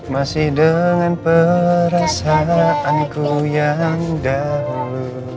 masih dengan perasaanku yang dahulu